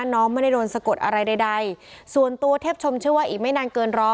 น้องไม่ได้โดนสะกดอะไรใดส่วนตัวเทพชมเชื่อว่าอีกไม่นานเกินร้อย